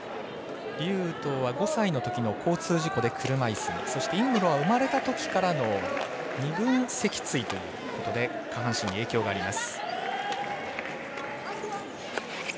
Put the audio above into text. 劉禹とうは５歳のときの交通事故で車いす、そして尹夢ろは生まれたときからの二分脊椎ということで下半身に影響があります。